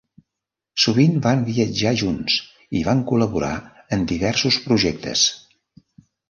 Sovint van viatjar junts i van col·laborar en diversos projectes.